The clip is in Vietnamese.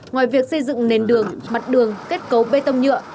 ngoài việc xây dựng nền đường mặt đường kết cấu bê tông nhựa